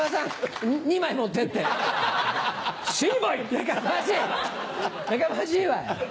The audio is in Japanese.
やかましいわい！